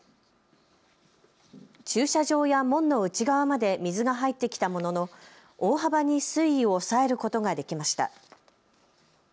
駐車場や門の内側まで水が入ってきたものの大幅に水位を抑えることができました。